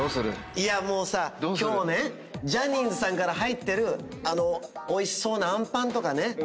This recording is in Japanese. いやもうさ今日ねジャニーズさんから入ってるおいしそうなあんパンとかね